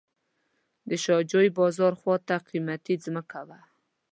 د شاه جوی بازار خواته قیمتي ځمکه وه.